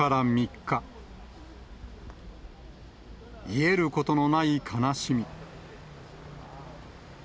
癒えることのない悲しみ。